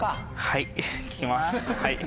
はい聞きます。